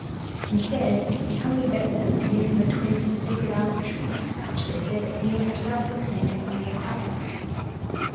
Instead, he humbly begged them to give him a twig of the sacred olive tree which they said Athene herself had planted on the Acropolis.